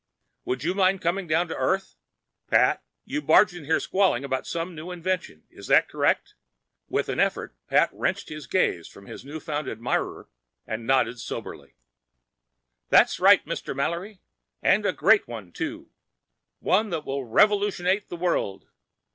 Would you mind coming down to earth? Pat, you barged in here squalling about some new invention. Is that correct?" With an effort Pat wrenched his gaze from his new found admirer and nodded soberly. "That's right, Mr. Mallory. And a great one, too. One that will revolutionate the world.